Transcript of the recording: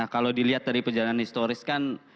kalau dilihat dari perjalanan historis kan